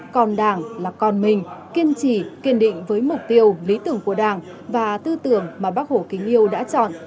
còn đảng là con mình kiên trì kiên định với mục tiêu lý tưởng của đảng và tư tưởng mà bác hồ kính yêu đã chọn